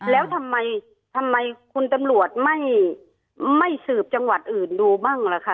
แล้วทำไมทำไมคุณตำรวจไม่สืบจังหวัดอื่นดูบ้างล่ะคะ